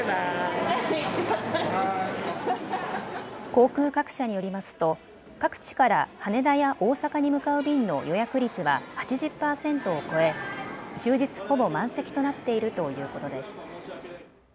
航空各社によりますと各地から羽田や大阪に向かう便の予約率は８０％を超え終日ほぼ満席となっているということです。